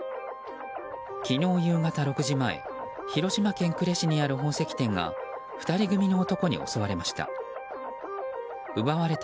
昨日夕方６時前広島県呉市にある宝石店が２人組の男に襲われました。